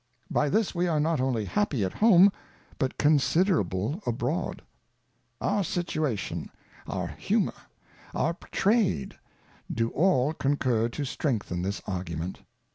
By this we are not only happy at Home, but considerable Abroad. Our Situation, our Humour, our Trade, do all concur to strengthen this Argument.